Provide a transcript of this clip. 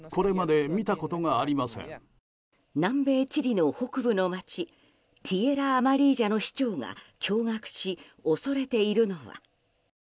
南米チリの北部の町ティエラ・アマリージャの市長が驚愕し、恐れているのは。